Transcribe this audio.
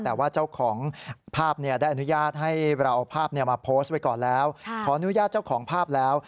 แต่ว่าเจ้าของภาพได้อนุญาตให้เราเอาภาพมาโพสต์ไว้ก่อนแล้วขออนุญาตเจ้าของภาพแล้ว